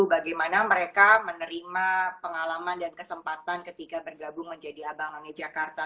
bagaimana mereka menerima pengalaman dan kesempatan ketika bergabung menjadi abang none jakarta